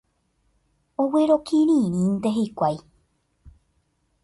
Oguerokirĩnte hikuái.